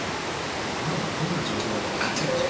今がどんな状況か分かってるでしょ。